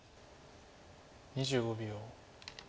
２５秒。